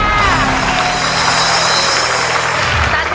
ไม่ใช้ไม่ใช้